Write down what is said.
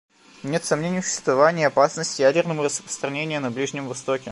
Нет сомнений в существовании опасности ядерного распространения на Ближнем Востоке.